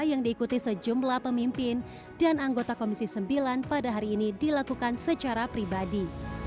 yang diikuti sejumlah pemimpin dan anggota komisi sembilan pada hari ini dilakukan secara pribadi